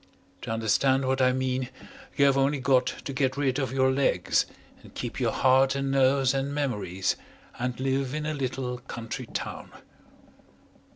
To understand what I mean you have only got to get rid of your legs and keep your heart and nerves and memories, and live in a little country town.